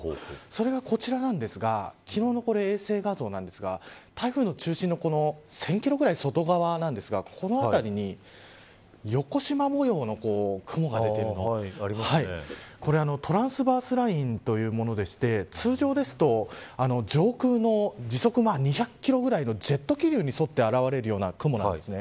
それがこちらなんですが昨日の衛星画像なんですが台風の中心の１０００キロぐらい外側なんですがこの辺りに横しま模様の雲が出ているのがこれはトランスバースラインというものでして通常ですと上空の時速２００キロぐらいのジェット気流に沿って現れるような雲なんです。